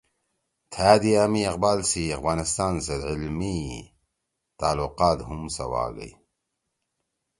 تھأ دیِا می اقبال سی افغانستان سیت عملی تعلقات ہُم سواگئی